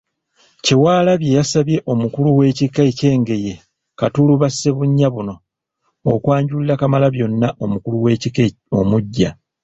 Kyewalabye yasabye omukulu w’ekika ky’Engeye Katuluba Ssebunya Bbuno, okwanjulira Kamalabyonna omukulu w’ekika omuggya.